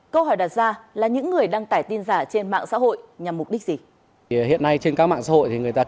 câu hỏi đặt ra là những người đăng tải tin giả trên mạng xã hội nhằm mục đích gì